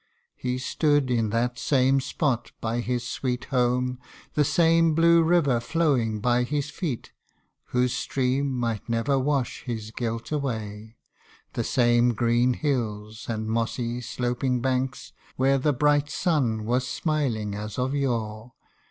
He stood in that same spot, by his sweet home, The same blue river flowing by his feet, (Whose stream might never wash his guilt away ;) The same green hills, and mossy sloping banks, Where the bright sun was smiling as of yore: THE FUTURE.